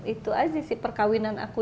itu aja sih perkawinan aku